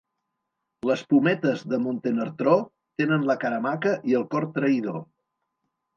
Les pometes de Montenartró tenen la cara maca i el cor traïdor.